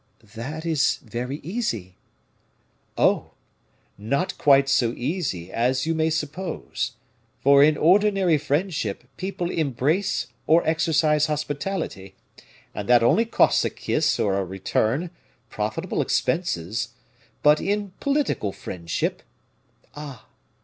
"That is very easy." "Oh! not quite so easy as you may suppose, for in ordinary friendship people embrace or exercise hospitality, and that only costs a kiss or a return, profitable expenses; but in political friendship " "Ah!